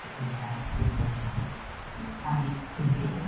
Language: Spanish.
El fruto es un pequeño aquenio rodeado por el cáliz persistente.